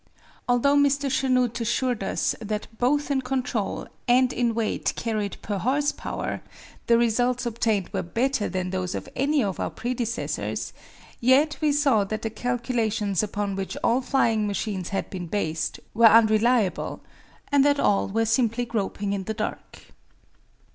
Although Mr. Chanute assured us that, both in control and in weight carried per horse power, the results obtained were better than those of any of our predecessors, yet we saw that the calculations upon which all flying machines had been based were unreliable, and that all were simply groping in the dark.